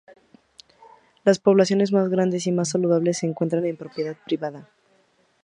Las poblaciones más grandes y más saludables se encuentran en propiedad privada.